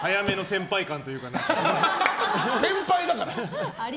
先輩だから。